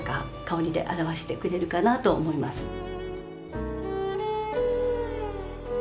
香りで表してくれるかなと思います。